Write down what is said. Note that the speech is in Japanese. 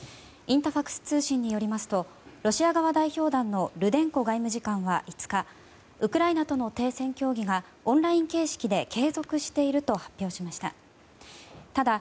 インタファクス通信によりますとロシア側代表団のルデンコ外務次官は、５日ウクライナとの停戦協議がオンライン形式で継続していると発表しました。